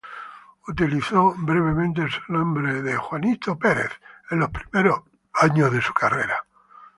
Utilizó brevemente el sobrenombre de Johnny Heartbreaker en los primeros años de su carrera.